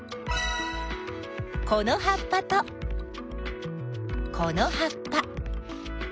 このはっぱとこのはっぱ。